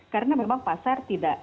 karena memang pasar tidak